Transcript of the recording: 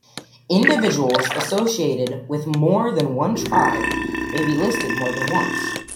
Individuals associated with more than one tribe may be listed more than once.